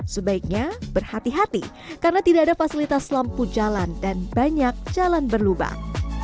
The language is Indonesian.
sebaiknya berhati hati karena tidak ada fasilitas lampu jalan dan banyak jalan berlubang